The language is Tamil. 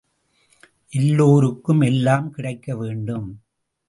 எல்லோருக்கும் எல்லாம் கிடைக்க வேண்டும்.